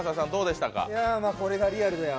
いや、これがリアルだよ